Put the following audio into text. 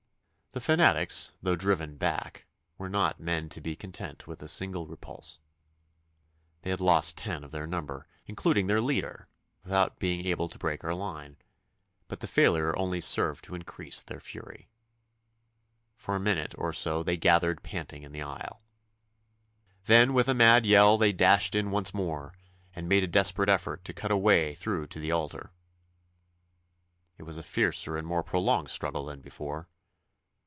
The fanatics, though driven back, were not men to be content with a single repulse. They had lost ten of their number, including their leader, without being able to break our line, but the failure only served to increase their fury. For a minute or so they gathered panting in the aisle. Then with a mad yell they dashed in once more, and made a desperate effort to cut a way through to the altar. It was a fiercer and more prolonged struggle than before.